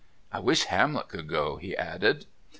I wish Hamlet could go," he added.